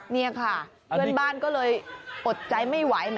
นี่ค่ะเพื่อนบ้านก็เลยอดใจไม่ไหว